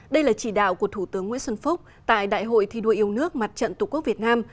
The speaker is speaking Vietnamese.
đây là chỉ đạo của thủ tướng nguyễn xuân phúc tại đại hội thi đua yêu nước mặt trận tổ quốc việt nam